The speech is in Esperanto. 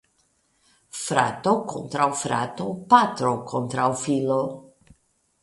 Frato kontraŭ frato, patro kontraŭ filo.